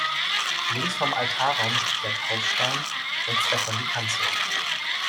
Links vom Altarraum steht der Taufstein, rechts davon die Kanzel.